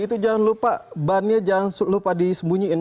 itu jangan lupa bannya jangan lupa disembunyiin